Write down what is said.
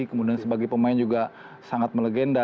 kemudian sebagai pemain juga sangat melegenda